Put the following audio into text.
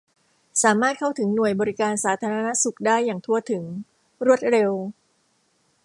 สามารถเข้าถึงหน่วยบริการสาธารณสุขได้อย่างทั่วถึง รวดเร็ว